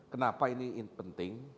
kenapa ini penting